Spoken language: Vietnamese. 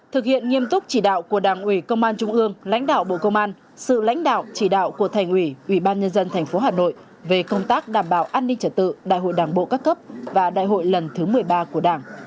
thực hiện nghiêm túc chỉ đạo của đảng ủy công an trung ương lãnh đạo bộ công an sự lãnh đạo chỉ đạo của thành ủy ủy ban nhân dân tp hà nội về công tác đảm bảo an ninh trật tự đại hội đảng bộ các cấp và đại hội lần thứ một mươi ba của đảng